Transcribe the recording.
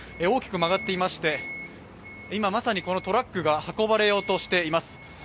大きく曲がっていまして今まさにそのトラックが運ばれようとしています。